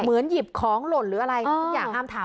เหมือนหยิบของหล่นหรืออะไรอ้าวอย่างอาบถาม